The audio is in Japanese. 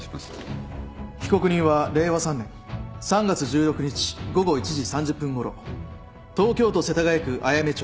被告人は令和３年３月１６日午後１時３０分ごろ東京都世田谷区あやめ町